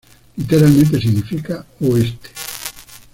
Literalmente significa "oeste".